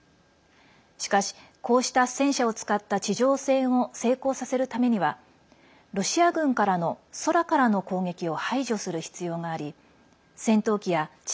しかし、こうした戦車を使った地上戦を成功させるためにはロシア軍からの空からの攻撃を排除する必要があり戦闘機や地